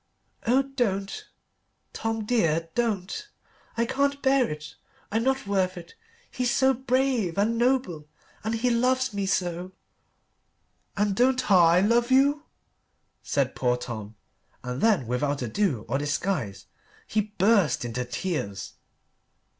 "Oh, don't, Tom, dear don't. I can't bear it. I'm not worth it. He's so brave and noble and he loves me so." "And don't I love you?" said poor Tom, and then without ado or disguise he burst into tears.